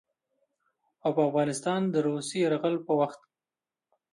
او په افغانستان د روسي يرغل په وخت